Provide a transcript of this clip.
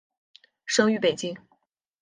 生于北京。